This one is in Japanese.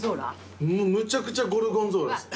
むちゃくちゃゴルゴンゾーラです。